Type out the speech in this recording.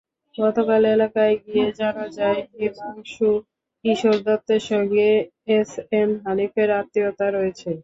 গতকাল এলাকায় গিয়ে জানা যায়, হিমাংশু কিশোর দত্তের সঙ্গে এসএম হানিফের আত্মীয়তা রয়েছে।